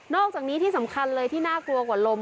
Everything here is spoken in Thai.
อกจากนี้ที่สำคัญเลยที่น่ากลัวกว่าลม